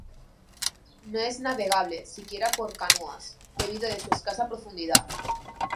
No es navegable, siquiera por canoas, debido a su escasa profundidad.